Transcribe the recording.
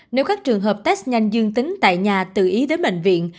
nếu các trường hợp test nhanh dương tính tại nhà tự ý đến bệnh viện